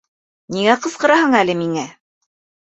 Ниңә ҡысҡыраһың әле миңә?